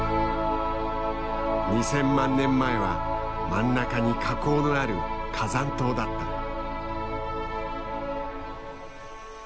２，０００万年前は真ん中に火口のある火山島だった。